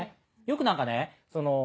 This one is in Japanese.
よく何かね